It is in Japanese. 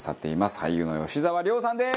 俳優の吉沢亮さんです！